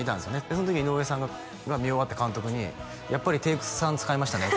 その時井上さんが見終わって監督に「やっぱりテイク３使いましたね」